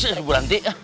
eh bu ranti